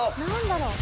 何だろう。